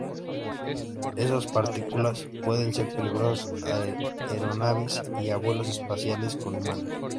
Esas partículas pueden ser peligrosas a aeronaves y a vuelos espaciales con humanos.